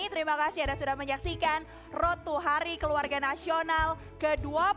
terima kasih anda sudah menyaksikan road to hari keluarga nasional ke dua puluh tiga